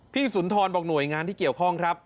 สุนทรบอกหน่วยงานที่เกี่ยวข้องครับ